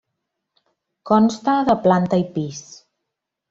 Consta de planta i pis.